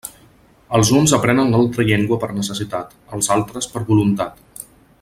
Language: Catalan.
Els uns aprenen l'altra llengua per necessitat; els altres, per voluntat.